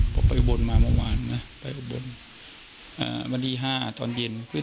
ผมไปอุบลมาเมื่อวานอ่าวันที่ห้าตอนเย็น